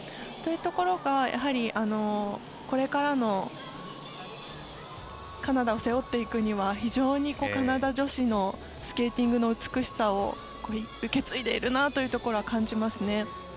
そういうところがこれからのカナダを背負っていくには、カナダ女子のスケーティングの美しさを受け継いでいるなというところは感じますね。